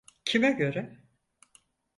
Kime göre?